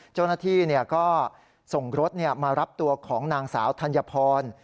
เจ้าหน้าที่ก็ส่งรถมารับตัวของนางสาวธัญพร